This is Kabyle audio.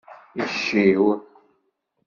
Icciw.